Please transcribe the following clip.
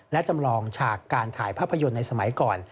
และจำลองฉากการถ่ายภาพยนตร์ในสมัยก่อน